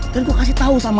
dan gue kasih tau sama lo ya